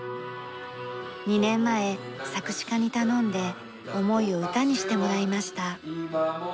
２年前作詞家に頼んで思いを歌にしてもらいました。